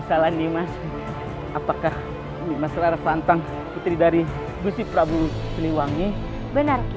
salah nih mas apakah masalah pantang putri dari busi prabu seniwangi benarki